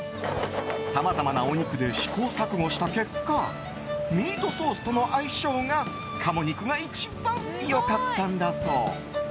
さまざまなお肉で試行錯誤した結果ミートソースとの相性が鴨肉が一番良かったんだそう。